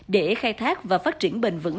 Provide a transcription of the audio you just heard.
để khai thác và phát triển bền vững